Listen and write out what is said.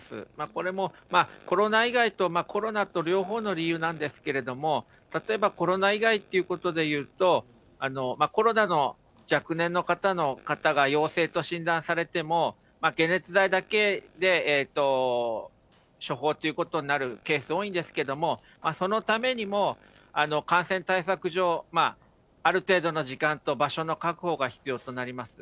これもコロナ以外と、コロナと両方の理由なんですけれども、例えば、コロナ以外ということでいうと、コロナの若年の方が陽性と診断されても、解熱剤だけで処方ということになるケース、多いんですけれども、そのためにも、感染対策上、ある程度の時間と場所の確保が必要となります。